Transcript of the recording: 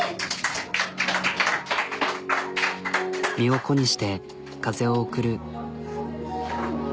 身を粉にして風を送る。